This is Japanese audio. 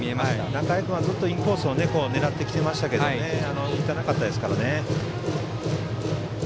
仲井君はずっとインコースを狙ってきてましたがちょっと高かったですからね。